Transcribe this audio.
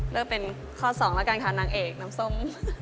เลือกเป็นข้อ๒แล้วกันค่ะนางเอกน้ำส้ม